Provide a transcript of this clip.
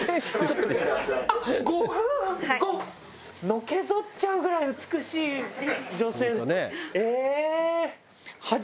のけぞっちゃうぐらい美しい女性ええー！